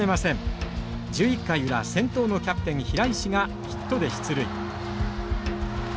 １１回裏先頭のキャプテン平石がヒットで出塁。